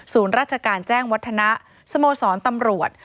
ราชการแจ้งวัฒนะสโมสรตำรวจ